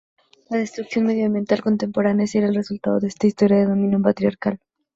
La destrucción medioambiental contemporánea sería el resultado de esa historia de dominio patriarcal.